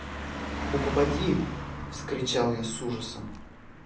– У попадьи! – вскричал я с ужасом.